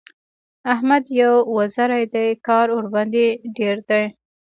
احمد يو وزری دی؛ کار ورباندې ډېر دی.